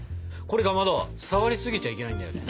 これかまど触りすぎちゃいけないんだよね。